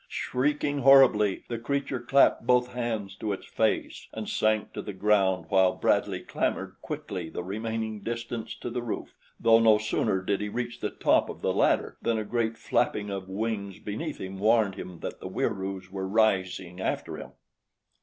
Shrieking horribly, the creature clapped both hands to its face and sank to the ground while Bradley clambered quickly the remaining distance to the roof, though no sooner did he reach the top of the ladder than a great flapping of wings beneath him warned him that the Wieroos were rising after him.